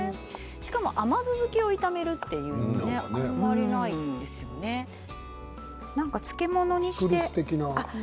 しかも甘酢漬けを炒めるというのは漬物にしてね。